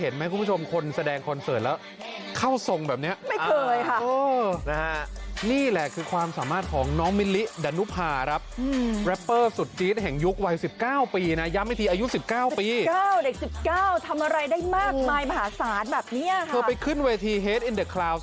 และด้านดูมีปัญหามากมันชีวัยประมาณนั้นเก่า